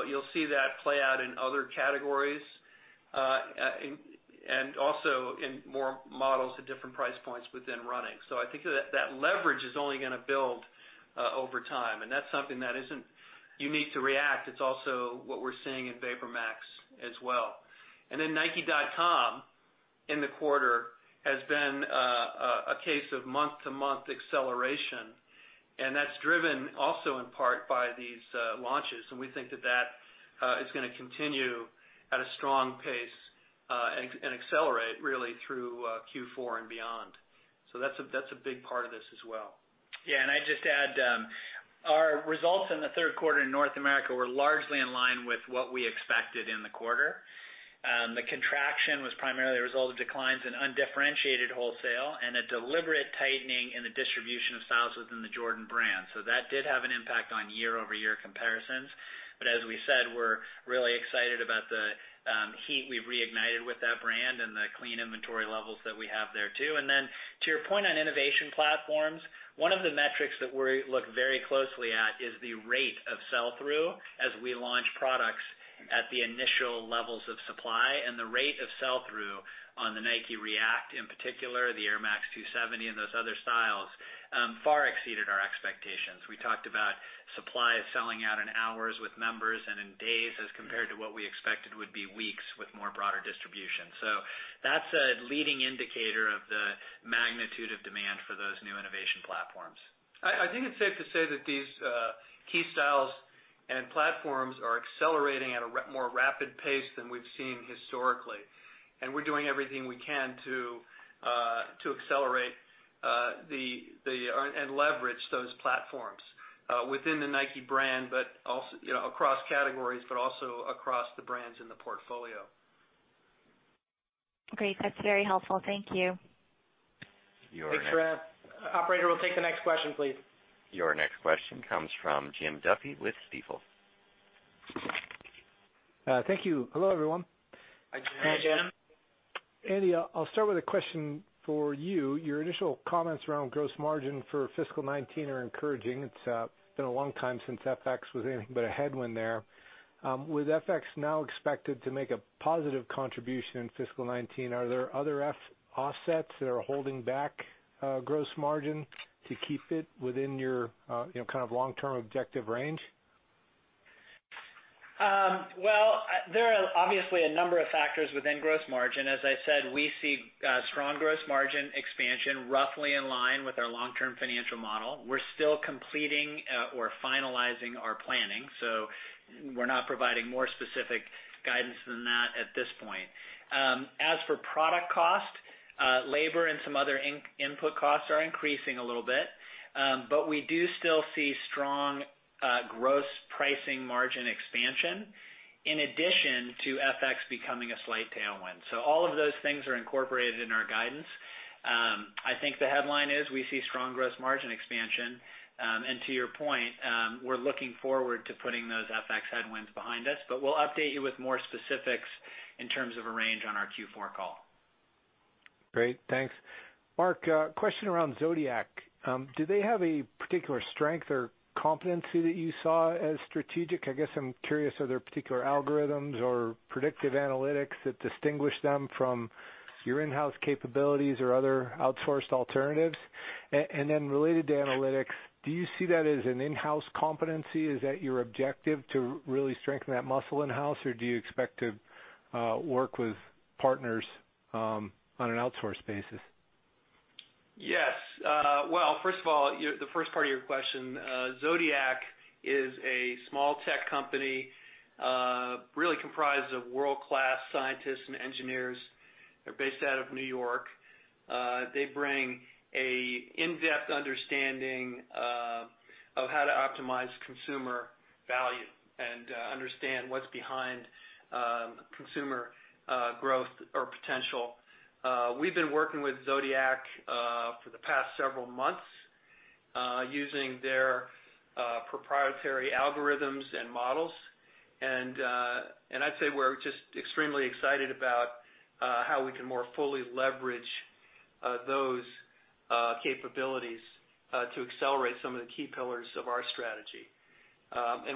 You'll see that play out in other categories, and also in more models at different price points within running. I think that leverage is only going to build over time, and that's something that isn't unique to React. It's also what we're seeing in VaporMax as well. nike.com in the quarter has been a case of month-to-month acceleration, and that's driven also in part by these launches. We think that is going to continue at a strong pace, and accelerate really through Q4 and beyond. That's a big part of this as well. I'd just add, our results in the third quarter in North America were largely in line with what we expected in the quarter. The contraction was primarily a result of declines in undifferentiated wholesale and a deliberate tightening in the distribution of styles within the Jordan Brand. That did have an impact on year-over-year comparisons. As we said, we're really excited about the heat we've reignited with that brand and the clean inventory levels that we have there, too. To your point on innovation platforms, one of the metrics that we look very closely at is the rate of sell-through as we launch products at the initial levels of supply. The rate of sell-through on the Nike React, in particular, the Air Max 270 and those other styles, far exceeded our expectations. We talked about supplies selling out in hours with members and in days as compared to what we expected would be weeks with more broader distribution. That's a leading indicator of the magnitude of demand for those new innovation platforms. I think it's safe to say that these key styles and platforms are accelerating at a more rapid pace than we've seen historically. We're doing everything we can to accelerate and leverage those platforms within the Nike Brand, across categories, but also across the brands in the portfolio. Great. That's very helpful. Thank you. Thanks for that. Operator, we'll take the next question, please. Your next question comes from Jim Duffy with Stifel. Thank you. Hello, everyone. Hi, Jim. Hi, Jim. Andy, I'll start with a question for you. Your initial comments around gross margin for fiscal 2019 are encouraging. It's been a long time since FX was anything but a headwind there. With FX now expected to make a positive contribution in fiscal 2019, are there other offsets that are holding back gross margin to keep it within your long-term objective range? Well, there are obviously a number of factors within gross margin. As I said, we see strong gross margin expansion, roughly in line with our long-term financial model. We're still completing or finalizing our planning. We're not providing more specific guidance than that at this point. As for product cost, labor and some other input costs are increasing a little bit. We do still see strong gross pricing margin expansion, in addition to FX becoming a slight tailwind. All of those things are incorporated in our guidance. I think the headline is we see strong gross margin expansion. To your point, we're looking forward to putting those FX headwinds behind us, but we'll update you with more specifics in terms of a range on our Q4 call. Great. Thanks. Mark, a question around Zodiac. Do they have a particular strength or competency that you saw as strategic? I guess I'm curious, are there particular algorithms or predictive analytics that distinguish them from your in-house capabilities or other outsourced alternatives? Related to analytics, do you see that as an in-house competency? Is that your objective to really strengthen that muscle in-house or do you expect to work with partners on an outsourced basis? Yes. Well, first of all, the first part of your question, Zodiac is a small tech company, really comprised of world-class scientists and engineers. They're based out of New York. They bring an in-depth understanding of how to optimize consumer value and understand what's behind consumer growth or potential. We've been working with Zodiac for the past several months, using their proprietary algorithms and models. I'd say we're just extremely excited about how we can more fully leverage those capabilities to accelerate some of the key pillars of our strategy.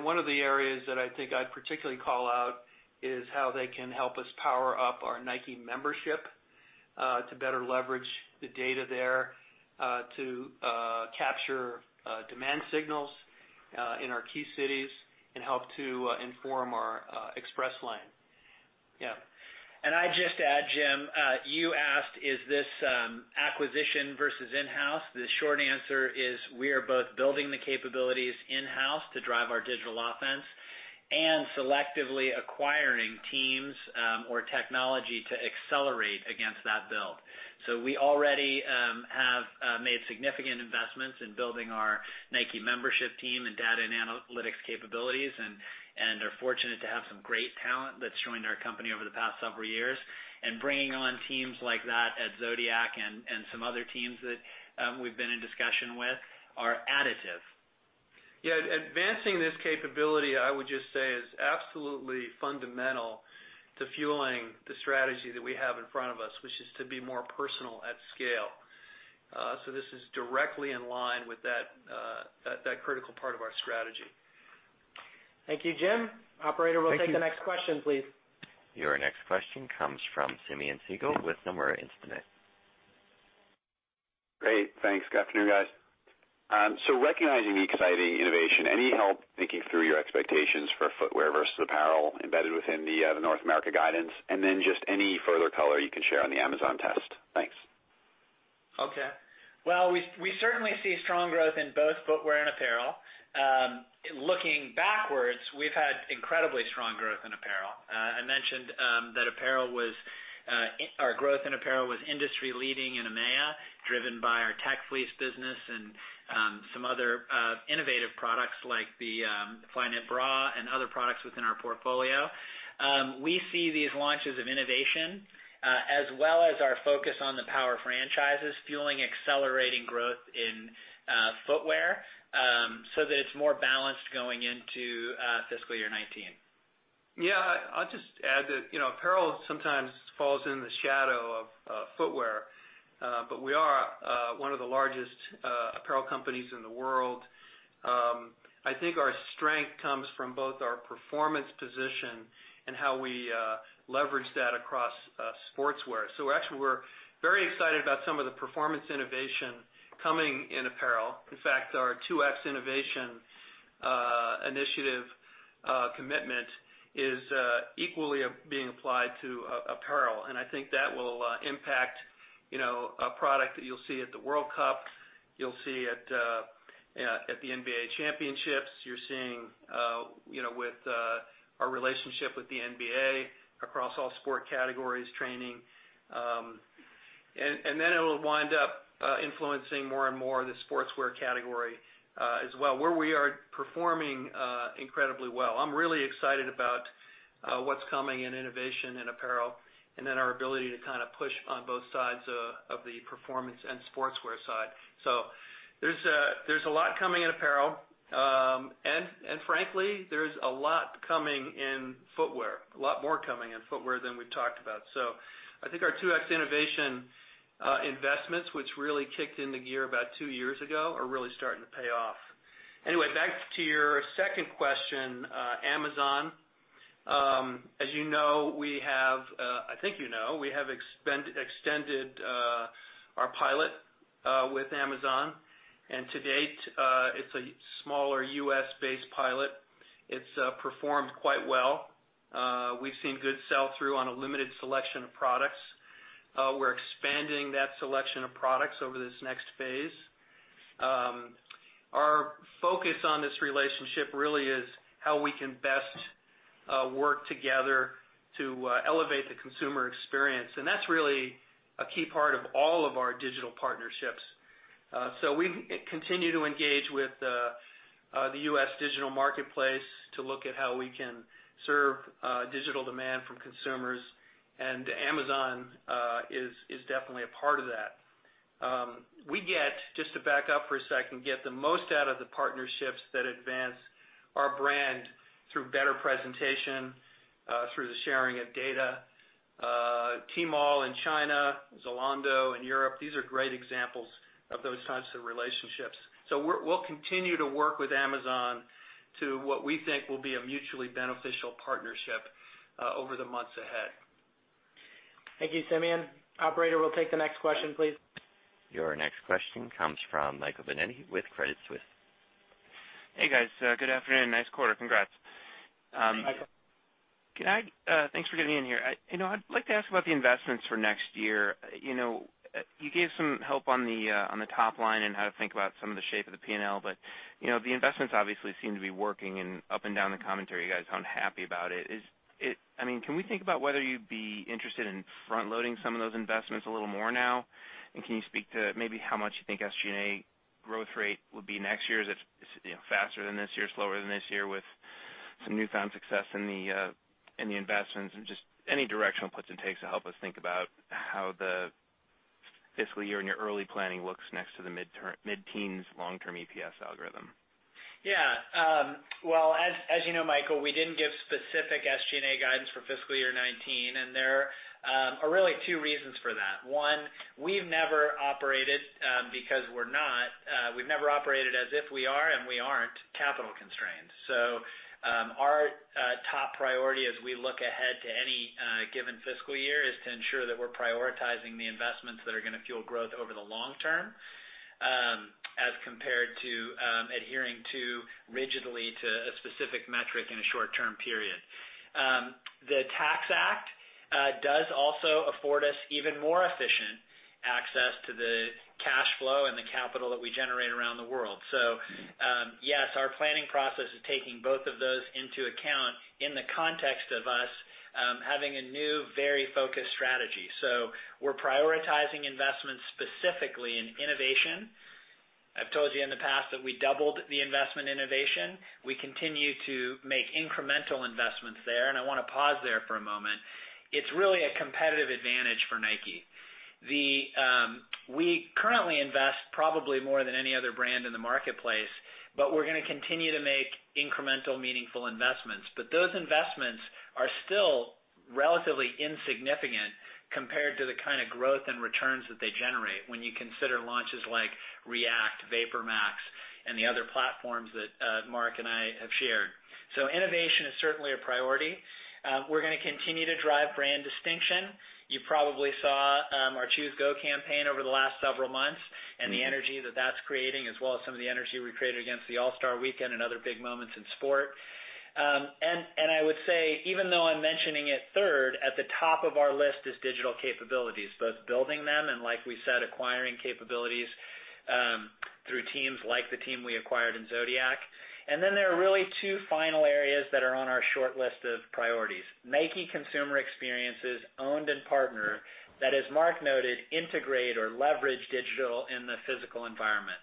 One of the areas that I think I'd particularly call out is how they can help us power up our Nike membership to better leverage the data there to capture demand signals in our key cities and help to inform our Express Lane. Yeah. I'd just add, Jim, you asked, is this acquisition versus in-house? The short answer is we are both building the capabilities in-house to drive our digital offense and selectively acquiring teams or technology to accelerate against that build. We already have made significant investments in building our Nike membership team and data and analytics capabilities. Are fortunate to have some great talent that's joined our company over the past several years. Bringing on teams like that at Zodiac and some other teams that we've been in discussion with are additive. Yeah. Advancing this capability, I would just say, is absolutely fundamental to fueling the strategy that we have in front of us, which is to be more personal at scale. This is directly in line with that critical part of our strategy. Thank you, Jim. Thank you We'll take the next question, please. Your next question comes from Simeon Siegel with Nomura Instinet. Great, thanks. Good afternoon, guys. Recognizing the exciting innovation, any help thinking through your expectations for footwear versus apparel embedded within the North America guidance? Then just any further color you can share on the Amazon test. Thanks. Okay. We certainly see strong growth in both footwear and apparel. Looking backwards, we've had incredibly strong growth in apparel. I mentioned that our growth in apparel was industry leading in EMEA, driven by our Tech Fleece business and some other innovative products like the Flyknit Bra and other products within our portfolio. We see these launches of innovation, as well as our focus on the power franchises fueling accelerating growth in footwear, so that it's more balanced going into fiscal year 2019. Yeah. I'll just add that apparel sometimes falls in the shadow of footwear. We are one of the largest apparel companies in the world. I think our strength comes from both our performance position and how we leverage that across sportswear. Actually, we're very excited about some of the performance innovation coming in apparel. In fact, our 2X Innovation initiative commitment is equally being applied to apparel, and I think that will impact a product that you'll see at the World Cup, you'll see at the NBA championships. You're seeing with our relationship with the NBA across all sport categories training. Then it'll wind up influencing more and more the sportswear category as well, where we are performing incredibly well. I'm really excited about what's coming in innovation in apparel and then our ability to kind of push on both sides of the performance and sportswear side. There's a lot coming in apparel. Frankly, there's a lot coming in footwear, a lot more coming in footwear than we've talked about. I think our 2X Innovation investments, which really kicked into gear about two years ago, are really starting to pay off. Anyway, back to your second question, Amazon. As you know, we have I think you know, we have extended our pilot with Amazon, and to date, it's a smaller U.S.-based pilot. It's performed quite well. We've seen good sell-through on a limited selection of products. We're expanding that selection of products over this next phase. Our focus on this relationship really is how we can best work together to elevate the consumer experience. That's really a key part of all of our digital partnerships. We continue to engage with the U.S. digital marketplace to look at how we can serve digital demand from consumers and Amazon is definitely a part of that. Just to back up for a second, get the most out of the partnerships that advance our brand through better presentation, through the sharing of data. Tmall in China, Zalando in Europe, these are great examples of those types of relationships. We'll continue to work with Amazon to, what we think, will be a mutually beneficial partnership over the months ahead. Thank you, Simeon. Operator, we'll take the next question, please. Your next question comes from Michael Binetti with Credit Suisse. Hey, guys. Good afternoon. Nice quarter. Congrats. Hi. Thanks for getting in here. I'd like to ask about the investments for next year. You gave some help on the top line and how to think about some of the shape of the P&L, but the investments obviously seem to be working, and up and down the commentary, you guys sound happy about it. Can we think about whether you'd be interested in front-loading some of those investments a little more now? Can you speak to maybe how much you think SG&A growth rate will be next year? Is it faster than this year, slower than this year, with some newfound success in the investments? Just any directional puts and takes to help us think about how the fiscal year in your early planning looks next to the mid-teens long-term EPS algorithm. Well, as you know, Michael, we didn't give specific SG&A guidance for fiscal year 2019, and there are really two reasons for that. We've never operated as if we are, and we aren't capital constrained. Our top priority as we look ahead to any given fiscal year is to ensure that we're prioritizing the investments that are going to fuel growth over the long term, as compared to adhering rigidly to a specific metric in a short-term period. The Tax Act does also afford us even more efficient access to the cash flow and the capital that we generate around the world. Yes, our planning process is taking both of those into account in the context of us having a new, very focused strategy. We're prioritizing investments specifically in innovation. I've told you in the past that we doubled the investment innovation. We continue to make incremental investments there. I want to pause there for a moment. It's really a competitive advantage for Nike. We currently invest probably more than any other brand in the marketplace. We're going to continue to make incremental, meaningful investments. Those investments are still relatively insignificant compared to the kind of growth and returns that they generate when you consider launches like Nike React, Air VaporMax, and the other platforms that Mark and I have shared. Innovation is certainly a priority. We're going to continue to drive brand distinction. You probably saw our Choose Go campaign over the last several months, and the energy that that's creating, as well as some of the energy we created against the NBA All-Star Weekend and other big moments in sport. I would say, even though I'm mentioning it third, at the top of our list is digital capabilities, both building them and, like we said, acquiring capabilities through teams like the team we acquired in Zodiac. There are really two final areas that are on our short list of priorities. Nike consumer experiences, owned and partner, that, as Mark noted, integrate or leverage digital in the physical environment.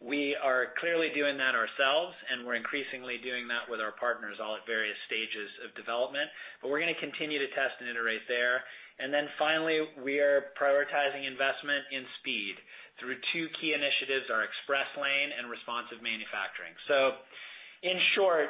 We are clearly doing that ourselves, and we're increasingly doing that with our partners, all at various stages of development, but we're going to continue to test and iterate there. Finally, we are prioritizing investment in speed through two key initiatives, our Express Lane and Responsive Manufacturing. In short,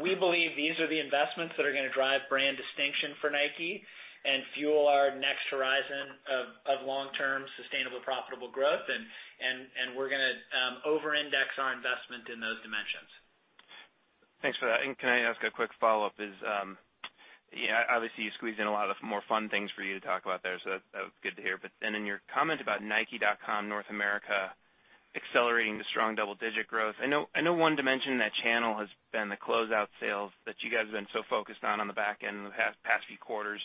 we believe these are the investments that are going to drive brand distinction for Nike and fuel our next horizon of long-term, sustainable, profitable growth. We're going to over-index our investment in those dimensions. Thanks for that. Can I ask a quick follow-up is, obviously, you squeezed in a lot of more fun things for you to talk about there, so that was good to hear. In your comment about nike.com North America accelerating to strong double-digit growth, I know one dimension in that channel has been the closeout sales that you guys have been so focused on the back end in the past few quarters.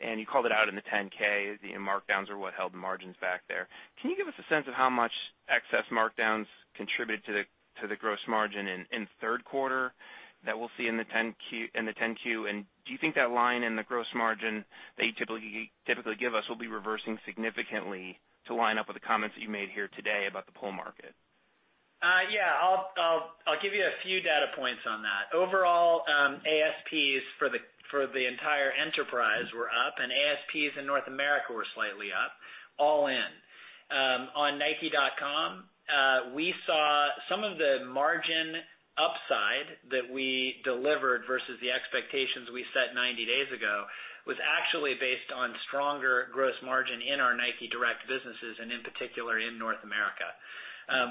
You called it out in the 10-K, the markdowns are what held the margins back there. Can you give us a sense of how much excess markdowns contribute to the gross margin in the third quarter that we'll see in the 10-Q? Do you think that line in the gross margin that you typically give us will be reversing significantly to line up with the comments that you made here today about the pull market? I'll give you a few data points on that. Overall, ASPs for the entire enterprise were up, and ASPs in North America were slightly up, all in. On nike.com, we saw some of the margin upside that we delivered versus the expectations we set 90 days ago was actually based on stronger gross margin in our Nike Direct businesses, and in particular, in North America.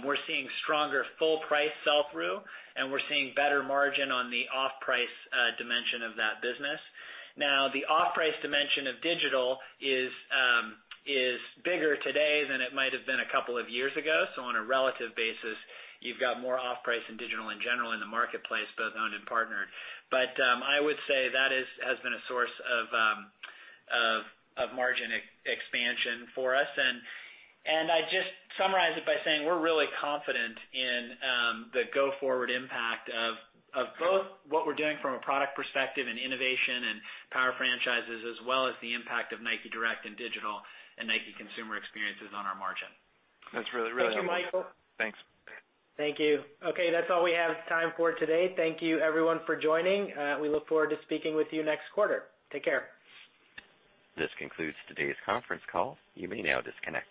We're seeing stronger full price sell-through, and we're seeing better margin on the off-price dimension of that business. The off-price dimension of digital is bigger today than it might have been a couple of years ago. On a relative basis, you've got more off-price in digital in general in the marketplace, both owned and partnered. I would say that has been a source of margin expansion for us. I'd just summarize it by saying we're really confident in the go-forward impact of both what we're doing from a product perspective and innovation and power franchises, as well as the impact of Nike Direct and digital and Nike consumer experiences on our margin. That's really helpful. Thank you, Michael. Thanks. Thank you. That's all we have time for today. Thank you, everyone, for joining. We look forward to speaking with you next quarter. Take care. This concludes today's conference call. You may now disconnect.